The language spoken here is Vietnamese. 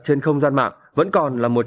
trên không gian mạng vẫn còn là một